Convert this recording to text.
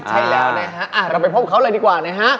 ใช่แล้วนะฮะเราไปพบเขาเลยดีกว่านะฮะ